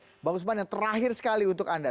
bang ombudsman yang terakhir sekali untuk anda